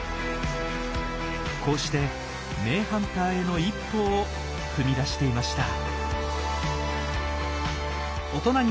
こうして名ハンターへの一歩を踏み出していました。